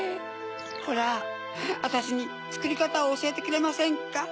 ホラあたしにつくりかたをおしえてくれませんか？